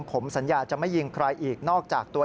ผมสัญญาจะไม่ยิงใครอีกนอกจากตัว